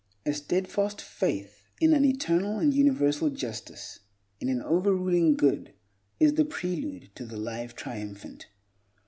A steadfast faith in an Eternal and Universal Justice, in an over ruling Good, is the prelude to the Life Triumphant.